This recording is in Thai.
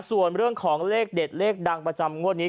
ส่วนเรื่องของเลขเด็ดเลขดังประจำงวดนี้